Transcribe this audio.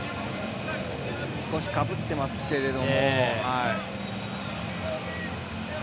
少しかぶってますけど。